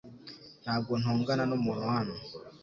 Ntabwo ntongana numuntu hano .